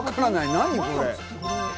何これ。